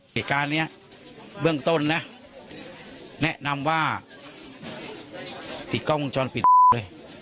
เหตุการณ์นี้เบื้องต้นนะแนะนำว่าติดกล้องวงจรปิดเลย